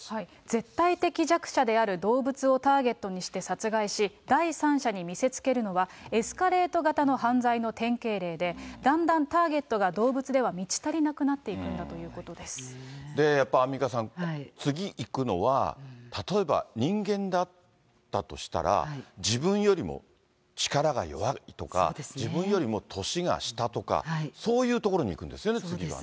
絶対的弱者である動物をターゲットにして殺害し、第三者に見せつけるのは、エスカレート型の犯罪の典型例で、だんだんターゲットが動物では満ち足りなくなっていくんだというやっぱりアンミカさん、次いくのは、例えば人間だったとしたら、自分よりも力が弱いとか、自分よりも年が下とか、そういう所にいくんですよね、次はね。